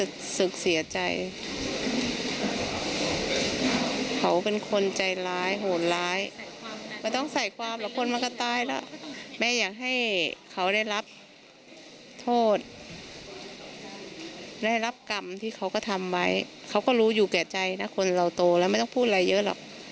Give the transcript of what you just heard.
ได้รับกรรมที่เขาก็ทำไว้เขาก็รู้อยู่แก่ใจนะคนเราโตแล้วไม่ต้องพูดอะไรเยอะหรอก